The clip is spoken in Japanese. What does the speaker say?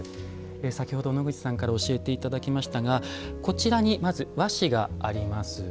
先ほど野口さんから教えて頂きましたがこちらにまず和紙があります。